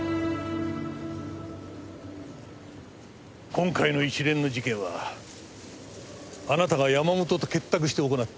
今回の一連の事件はあなたが山本と結託して行った。